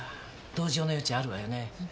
同情の余地あるわよね。